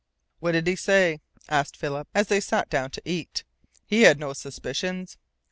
"What did he say?" asked Philip, as they sat down to eat. "He had no suspicions?"